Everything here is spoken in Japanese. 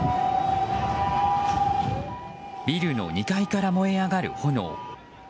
ビルの２階から燃え上がる炎。